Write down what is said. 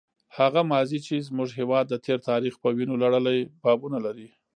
هغه ماضي چې زموږ هېواد د تېر تاریخ په وینو لړلي بابونه لري.